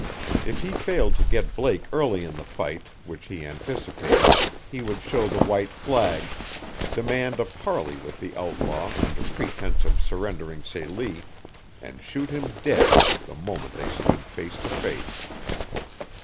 If he failed to get Blake early in the fight which he anticipated he would show the white flag, demand a parley with the outlaw under pretense of surrendering Celie, and shoot him dead the moment they stood face to face.